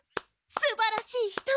すばらしい人！